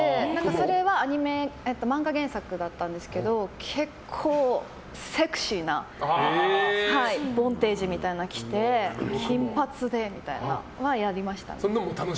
それは漫画原作だったんですけど結構、セクシーなボンテージみたいなのを着て金髪でみたいなのはやりました。